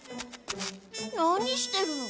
何してるの？